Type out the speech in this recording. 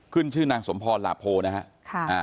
ขึ้นชื่อนางสมพรหลาโพนะฮะ